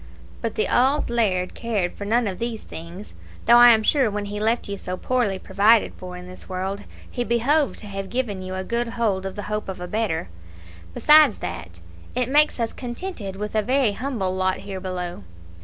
But the auld laird cared for none of these things; though I am sure when he left you so poorly provided for in this world, he behoved to have given you a good hold of the hope of a better; besides that, it makes us contented with a very humble lot here below.